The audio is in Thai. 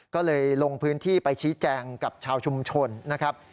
ก็เลยลงพื้นที่ไปชี้แจงกับชาวชุมชนนะครับ